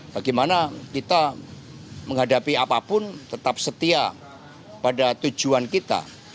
bagaimana kita menghadapi apapun tetap setia pada tujuan kita